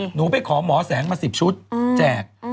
หนูไปขอหมอแสงมา๑๐ชุดแจก